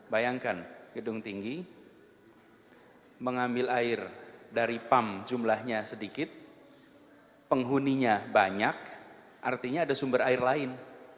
bayangkan gedung tinggi mengambil air dari pump jumlahnya sedikit penghuninya banyak artinya ada sumber air lain